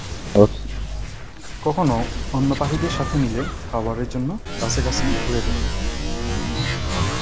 কখনো অন্য পাখিদের সাথে মিলে খাবারের জন্য গাছে গাছে ঘুরে বেড়ায়।